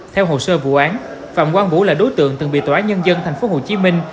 theo hồ sơ vụ án phạm quang vũ là đối tượng từng bị tòa án nhân dân thành phố hồ chí minh